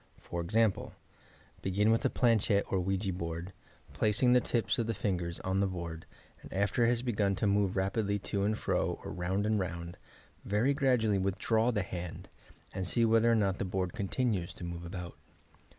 For example: Begin with a planchette or ouija board, placing the tips of the fingers on the board, and after it has begun to move rapidly to and fro or round and round, very grad ually withdraw the hand, and see whether or not the board continues to move about.